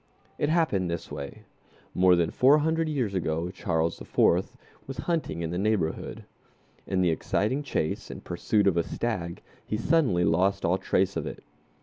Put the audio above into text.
It happened this way: More than four hundred years ago Charles IV. was hunting in the neighborhood. In the exciting chase and pursuit of a stag he suddenly lost all trace of it.